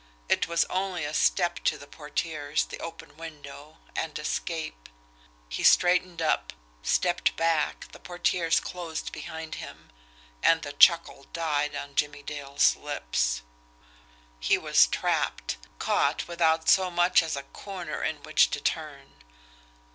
It was only a step to the portieres, the open window and escape. He straightened up, stepped back, the portieres closed behind him and the chuckle died on Jimmie Dale's lips. He was trapped caught without so much as a corner in which to turn!